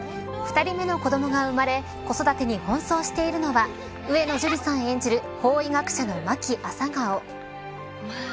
２人目の子どもが生まれ子育てにほん走しているのは上野樹里さん演じる法医学者の万木朝顔。